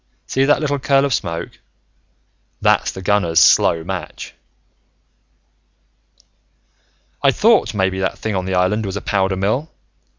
See that little curl of smoke? That's the gunner's slow match. "I'd thought maybe that thing on the island was a powder mill.